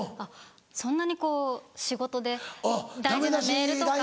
そんなに仕事で大事なメールとか。